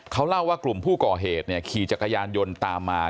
เขาเล่าว่ากลุ่มผู้ก่อเหตุเนี่ยขี่จักรยานยนต์ตามมา